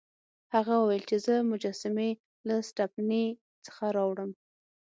هغه وویل چې زه مجسمې له سټپني څخه راوړم.